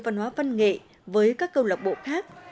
văn hóa văn nghệ với các câu lạc bộ khác